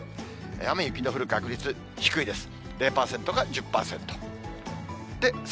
雨、雪の降る確率、低いです。